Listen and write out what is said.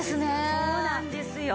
そうなんですよ。